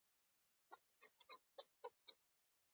په افغانستان کې کابل د خلکو د ژوند په کیفیت تاثیر کوي.